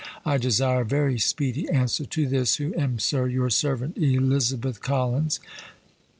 I desire a very speedy answer to this, who am, Sir, Your servant, ELIZ. COLLINS.